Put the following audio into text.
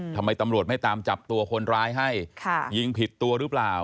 ทำไมตำรวจไม่ตามจับตัวคนร้ายให้ยิงผิดตัวหรือเปล่า